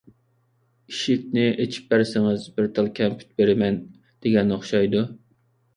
ئىشىكنى ئېچىپ بەرسىڭىز بىر تال كەمپۈت بېرىمەن، دېگەن ئوخشايدۇ.